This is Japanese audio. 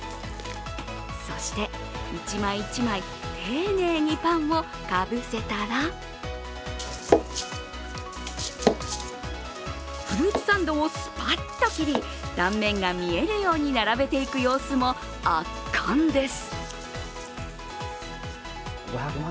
そして一枚一枚、丁寧にパンをかぶせたらフルーツサンドをスパッと切り、断面が見えるように並べていく様子も圧巻です。